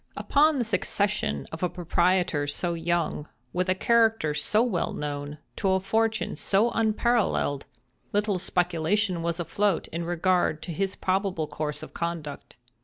Upon the succession of a proprietor so young, with a character so well known, to a fortune so unparalleled, little speculation was afloat in regard to his probable course of conduct.